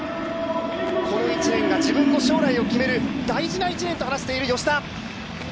この１年が自分の将来を決める大事な１年と話している吉田。